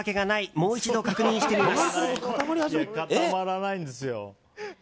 もう一度、確認してみます。